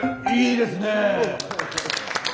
いいですね。